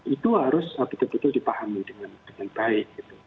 itu harus betul betul dipahami dengan baik